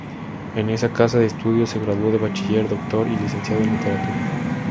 En esta casa de estudios se graduó de bachiller, doctor y licenciado en Literatura.